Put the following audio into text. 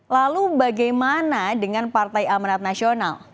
lalu bagaimana dengan partai amanat nasional